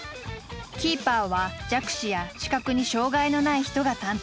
キーパーは弱視や視覚に障害のない人が担当。